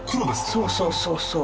そうそうそうそう。